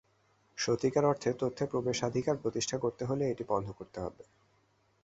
সত্যিকার অর্থে তথ্যে প্রবেশাধিকার প্রতিষ্ঠা করতে হলে এটি বন্ধ করতে হবে।